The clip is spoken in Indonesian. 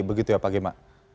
begitu ya pak gema